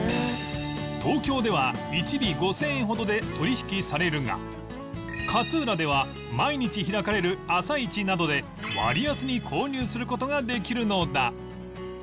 東京では１尾５０００円ほどで取引されるが勝浦では毎日開かれる朝市などで割安に購入する事ができるのだ